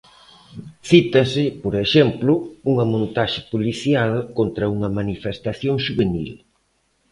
Cítase, por exemplo, unha montaxe policial contra unha manifestación xuvenil.